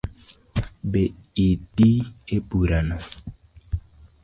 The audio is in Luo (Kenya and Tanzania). Be idi e bura no?